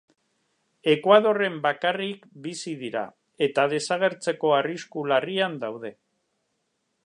Ekuadorren bakarrik bizi dira eta desagertzeko arrisku larrian daude.